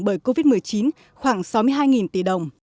bởi covid một mươi chín khoảng sáu mươi hai tỷ đồng